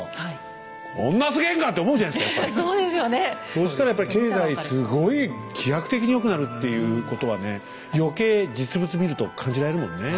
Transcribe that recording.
そうしたらやっぱり経済すごい飛躍的に良くなるっていうことはね余計実物見ると感じられるもんね。